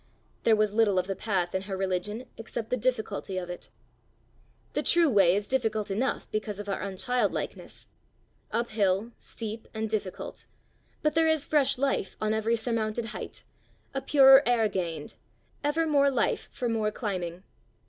There was little of the path in her religion except the difficulty of it. The true way is difficult enough because of our unchildlikeness uphill, steep, and difficult but there is fresh life on every surmounted height, a purer air gained, ever more life for more climbing.